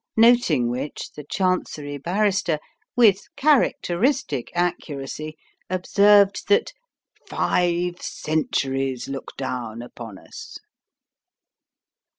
Noting which, the Chancery Barrister, with characteristic accuracy, observed that "five centuries look down upon us."